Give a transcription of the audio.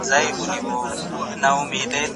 تاسي په پښتو کي د لنډیو په اهمیت پوه سواست؟